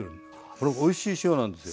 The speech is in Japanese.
これおいしい塩なんですよ。